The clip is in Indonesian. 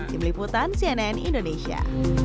di meliputan cnn indonesia